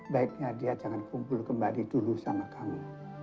baiknya dia jangan kumpul kembali dulu sama kami